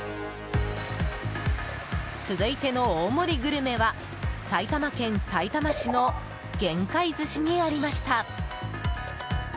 続いての大盛りグルメは埼玉県さいたま市の玄海寿司にありました。